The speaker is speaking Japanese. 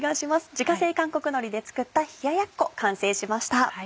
自家製韓国のりで作った冷ややっこ完成しました。